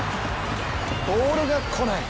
ボールが来ない